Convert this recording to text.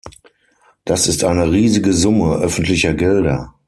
Das ist eine riesige Summe öffentlicher Gelder.